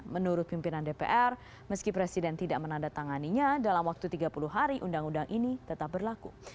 menurut pimpinan dpr meski presiden tidak menandatanganinya dalam waktu tiga puluh hari undang undang ini tetap berlaku